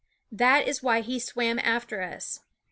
That is why he swam after us.